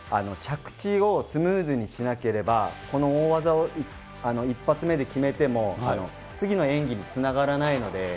着地をスムーズにしなければ、この大技を一発目で決めても、次の演技につながらないので。